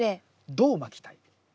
どうまきたい？